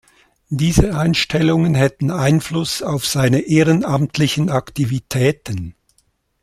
Diese Einstellungen hätten Einfluss auf seine ehrenamtlichen Aktivitäten.